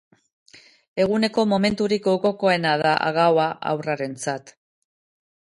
Eguneko momenturik gogokoena da gaua haurrarentzat.